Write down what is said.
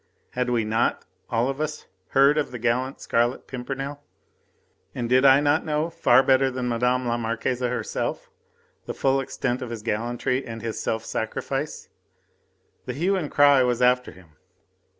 Had we not all of us heard of the gallant Scarlet Pimpernel? And did I not know far better than Mme. la Marquise herself the full extent of his gallantry and his self sacrifice? The hue and cry was after him.